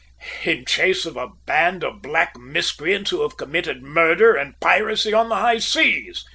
"In chase of a band of black miscreants who have committed murder and piracy on the high seas!"